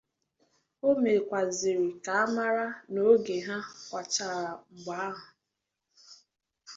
O mekwàzịrị ka a mara na oge ha kwàchàrà mgbọ ahụ